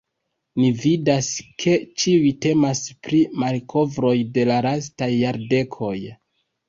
Ni vidas ke ĉiuj temas pri malkovroj de la lastaj jardekoj.